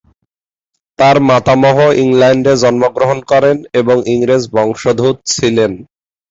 তার মাতামহ ইংল্যান্ডে জন্মগ্রহণ করেন এবং ইংরেজ বংশোদ্ভূত ছিলেন।